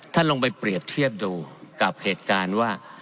ลองไปเปรียบเทียบดูกับเหตุการณ์ว่า